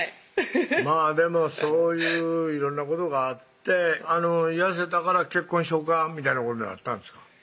まぁでもそういう色んなことがあって痩せたから結婚しようかみたいなことになったんですか？